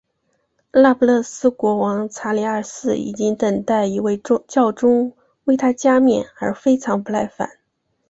那不勒斯国王查理二世已经等待一位教宗为他加冕而非常不耐烦。